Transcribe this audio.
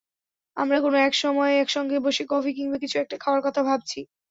আমরা কোনো একসময়ে একসঙ্গে বসে কফি কিংবা কিছু একটা খাওয়ার কথা ভাবছি।